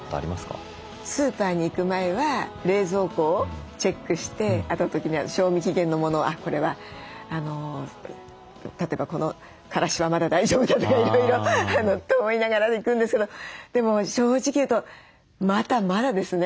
スーパーに行く前は冷蔵庫をチェックしてあと時には賞味期限のものをこれは例えばこのからしはまだ大丈夫だとかいろいろと思いながら行くんですけどでも正直言うとまだまだですね。